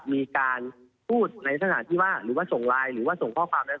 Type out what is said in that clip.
มีการพูดในสถานที่ว่าหรือว่าส่งไลน์หรือว่าส่งข้อความอะไร